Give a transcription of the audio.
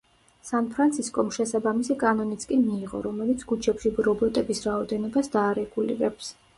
სან-ფრანცისკომ შესაბამისი კანონიც კი მიიღო, რომელიც ქუჩებში რობოტების რაოდენობას დაარეგულირებს.